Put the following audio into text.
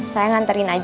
saya nganterin aja